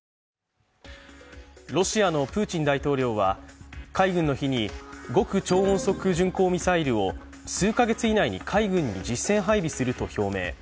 ロシアのプーチン大統領は海軍の日に極超音速巡航ミサイルを数カ月以内に海軍に実戦配備すると表明。